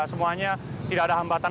semuanya tidak ada hambatan